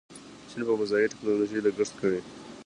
چین په فضایي ټیکنالوژۍ لګښت کوي.